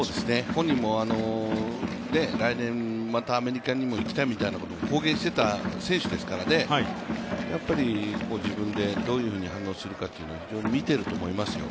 本人も来年またアメリカにも行きたいっていうことを公言していた選手ですからね、やっぱり自分でどういうふうに反応するか見ていると思います。